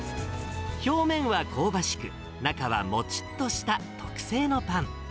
表面は香ばしく、中はもちっとした特製のパン。